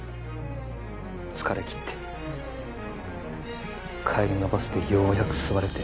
疲れきって帰りのバスでようやく座れて。